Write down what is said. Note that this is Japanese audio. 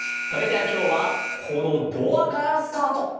それじゃあきょうはこのドアからスタート！